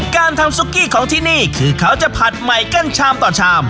การทำซุกกี้ของที่นี่คือเขาจะผัดใหม่กั้นชามต่อชาม